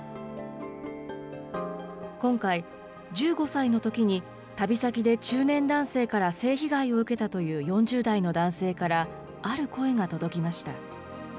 今回、１５歳のときに旅先で中年男性から性被害を受けたという４０代の男性から、ある声が届きました。